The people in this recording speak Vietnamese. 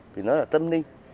vì nó là tâm linh